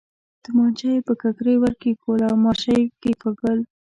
تومانچه یې پر ککرۍ ور کېښووله او ماشه یې کېکاږل.